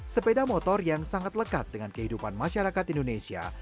sepeda motor yang sangat lekat dengan kehidupan masyarakat indonesia